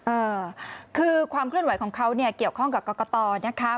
เออคือความเคลื่อนไหวของเขาเนี่ยเกี่ยวข้องกับกรกตนะคะ